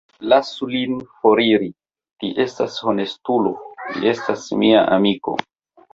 Lasu lin foriri; li estas honestulo; li estas mia amiko!